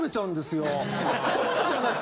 そうじゃない。